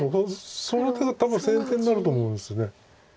その手が多分先手になると思うんです。